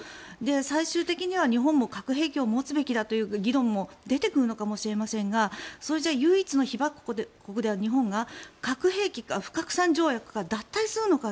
最終的には日本も核兵器を持つべきだという議論も出てくるのかもしれませんがそれじゃ唯一の被爆国である日本が核兵器不拡散条約から脱退するのか。